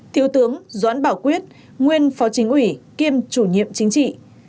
thiếu tướng doãn bảo quyết nguyên phó chính ủy kiêm chủ nhiệm chính trị